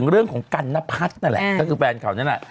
เออน้องจ๋าวได้อยู่